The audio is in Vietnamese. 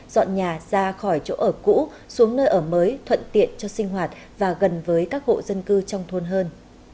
dọn nhà ra khỏi chỗ ở cũ xuống nơi ở mới thuận tiện cho sinh hoạt và gần với các hộ dân cư trong thôn hơn